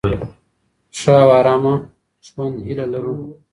د ښه او آرامه ژوند هیله لرو.